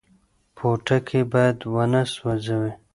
پوټکی باید ونه سوځي.